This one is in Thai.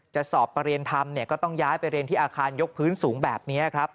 จะสอบประเรียนธรรมเนี่ยก็ต้องย้ายไปเรียนที่อาคารยกพื้นสูงแบบนี้ครับ